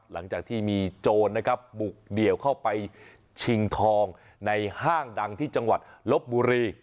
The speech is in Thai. หลังจากที่มีโจรนะครับบุกเดี่ยวเข้าไปชิงทองในห้างดังที่จังหวัดลบบุรี